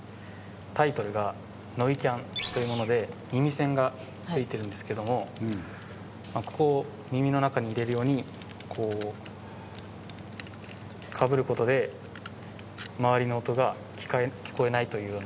タイトルがのいきゃんというもので耳栓が付いてるんですけどもここを耳の中に入れるようにこうかぶる事で周りの音が聞こえないというような。